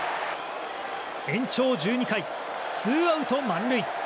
延長１２回、ツーアウト満塁。